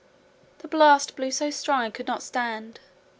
The blast blew so strong I could not stand.